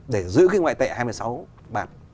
để giữ cái ngoại tệ hai mươi sáu bạc